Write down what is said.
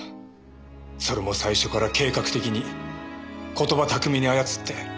それも最初から計画的に言葉巧みに操って。